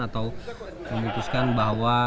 atau memutuskan bahwa